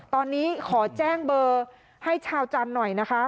ตอนนี้ขอแจ้งเบอร์ให้ชาวจันทร์หน่อยนะคะ